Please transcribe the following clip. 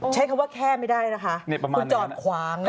ใช้คำว่าแค่ไม่ได้นะคะคุณจอดขวาง